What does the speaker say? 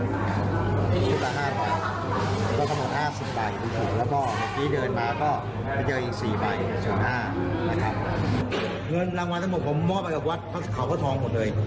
เงินรางวัลทั้งหมดผมมอบไปกับวัดพระเขาพระทองหมดเลย